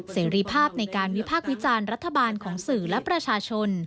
เสรีภาพในการวิพากษ์วิจารณ์รัฐบาลของสื่อและประชาชน